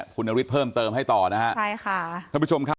คุณนฤทธิ์เพิ่มเติมให้ต่อนะฮะคุณผู้ชมครับ